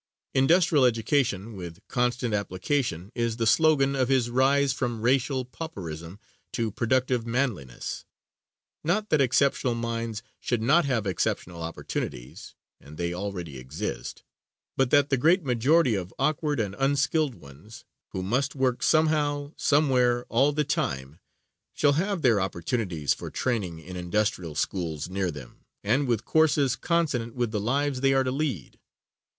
Industrial education with constant application, is the slogan of his rise from racial pauperism to productive manliness. Not that exceptional minds should not have exceptional opportunities (and they already exist); but that the great majority of awkward and unskilled ones, who must work somehow, somewhere, all the time, shall have their opportunities for training in industrial schools near them and with courses consonant with the lives they are to lead.